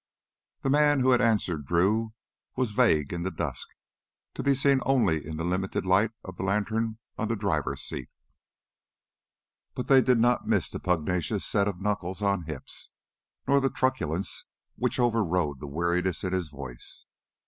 The man who had answered Drew was vague in the dusk, to be seen only in the limited light of the lantern on the driver's seat. But they did not miss the pugnacious set of knuckles on hips, nor the truculence which overrode the weariness in his voice.